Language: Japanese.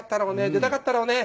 出たかったろうね。